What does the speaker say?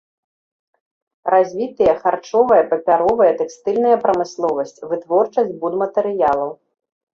Развітыя харчовая, папяровая, тэкстыльная прамысловасць, вытворчасць будматэрыялаў.